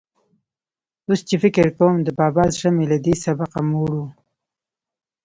اوس چې فکر کوم، د بابا زړه مې له دې سبقه موړ و.